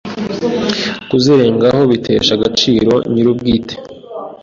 Kuzirengaho bitesha agaciro nyirubwite